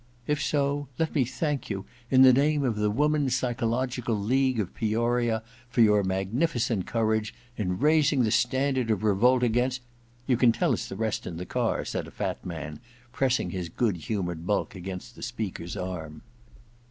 If so, let me thank you in the name of the Woman's Psychological League of Peoria for your mag nificent courage in raising the standard of revolt against ' *You can tell us the rest in the car,' said a fat man, pressing his good humoured bulk against the speaker's arm.